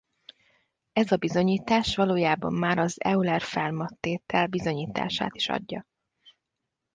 Ez a bizonyítás valójában már az Euler-Fermat-tétel bizonyítását is adja.